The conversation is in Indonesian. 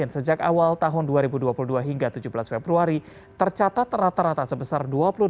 sejak awal tahun dua ribu dua puluh dua hingga tujuh belas februari tercatat rata rata sebesar dua puluh dua